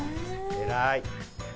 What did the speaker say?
偉い。